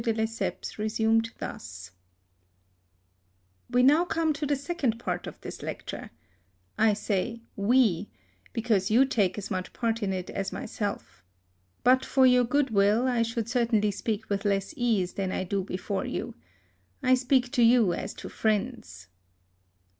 de Lesseps resumed thus :— We now come to the second part of this THE SUEZ CANAL. 57 lecture. I say " we because you take as much part in it as myself. But for your goodwill, I should certainly speak with less ease than I do before you. I speak to you as to friends.